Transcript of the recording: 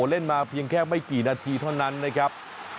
เล่นมาเพียงแค่ไม่กี่นาทีเท่านั้นนะครับ